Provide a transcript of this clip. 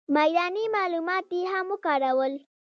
میداني معلومات یې هم وکارول.